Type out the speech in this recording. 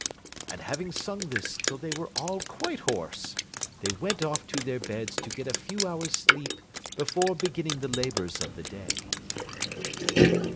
And having sung this till they were all quite hoarse, they went off to their beds to get a few hours' sleep before beginning the labours of the day.